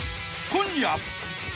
［今夜］